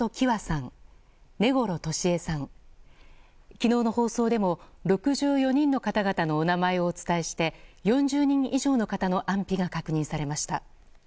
昨日の放送でも６４人の方々のお名前をお伝えして４０人以上の方の安否が確認されました。